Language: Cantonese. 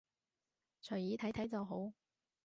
隨意睇睇就好